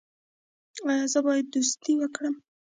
ایا زه باید دوستي وکړم؟